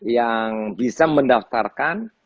yang bisa mendaftarkan